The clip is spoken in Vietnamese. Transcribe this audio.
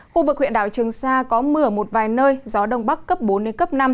khu vực huyện đảo trường sa có mưa ở một vài nơi gió đông bắc cấp bốn đến cấp năm